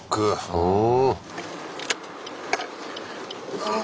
うん。